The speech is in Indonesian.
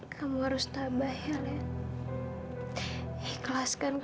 sampai jumpa di video selanjutnya